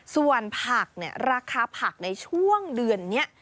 ส่วนผักเนี่ยราคาผักในช่วงเดือนนี้